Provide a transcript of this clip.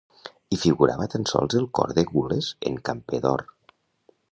Hi figurava tan sols el cor de gules en camper d'or.